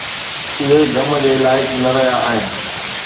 اهي غم جي لائق نه رهيا آهن